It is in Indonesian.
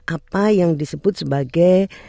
apa yang disebut sebagai